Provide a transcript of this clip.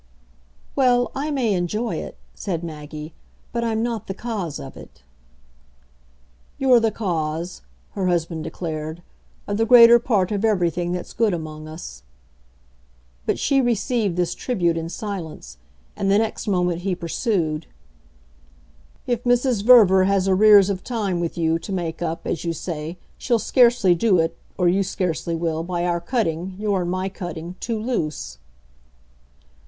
"Well, I may enjoy it," said Maggie, "but I'm not the cause of it." "You're the cause," her husband declared, "of the greater part of everything that's good among us." But she received this tribute in silence, and the next moment he pursued: "If Mrs. Verver has arrears of time with you to make up, as you say, she'll scarcely do it or you scarcely will by our cutting, your and my cutting, too loose."